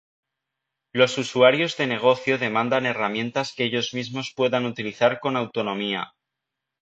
Los usuarios de negocio demandan herramientas que ellos mismos puedan utilizar con autonomía.